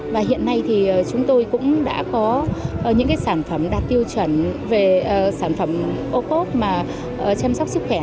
và hiện nay thì chúng tôi cũng đã có những sản phẩm đạt tiêu chuẩn về sản phẩm ô cốt mà chăm sóc sức khỏe